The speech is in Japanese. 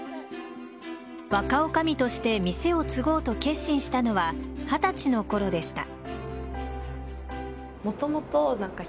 若女将として店を継ごうと決心したのは二十歳の頃でした。